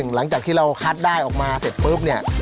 หลังจากที่เราคัดได้ออกมาเสร็จปุ๊บเนี่ย